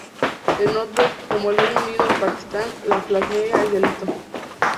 En otros, como el Reino Unido o Pakistán la blasfemia es delito.